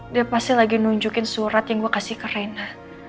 dia pasti lagi nunjukin surat yang gue kasih ke reina